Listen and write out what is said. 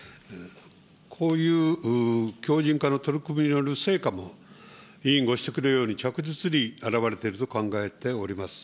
こういう強じん化の取り組みによる成果も委員ご指摘のように、着実に表れていると考えております。